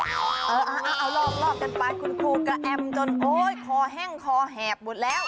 เอาลอกกันไปคุณครูก็แอมจนโอ๊ยคอแห้งคอแหบหมดแล้ว